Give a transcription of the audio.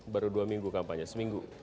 baru dua minggu kampanye seminggu